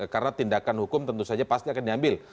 karena tindakan hukum tentu saja pasti akan diambil